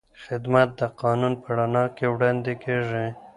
خدمت د قانون په رڼا کې وړاندې کېږي.